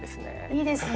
いいですね。